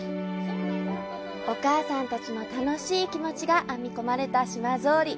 お母さんたちの楽しい気持ちが編み込まれた島ぞうり。